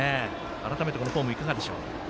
改めて、このフォームいかがでしょう？